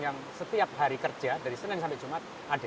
yang setiap hari kerja dari senin sampai jumat ada